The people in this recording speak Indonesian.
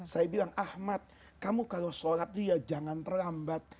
saya bilang ahmad kamu kalau sholat dia jangan terlambat